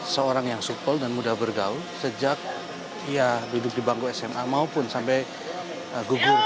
seorang yang supel dan mudah bergaul sejak ia duduk di bangku sma maupun sampai gugur